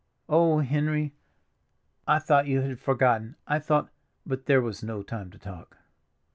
"Oh, Henry! I thought you had forgotten, I thought—" But there was no time to talk.